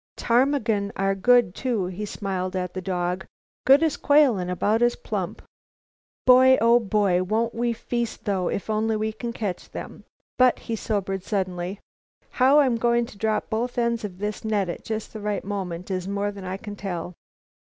Ptarmigan are good too," he smiled at the dog, "good as quail and about as plump. Boy, Oh, boy! won't we feast though if only we can catch them? But," he sobered suddenly, "how I'm going to drop both ends of this net at just the right moment is more than I can tell."